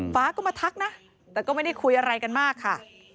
ฟ้าก็มาทักนะแต่ก็ไม่ได้คุยอะไรกันมากค่ะ